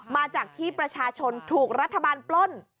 มาจากที่ประชาชนถูกรัฐบาลปล้น